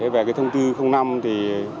về cái thông tư năm thì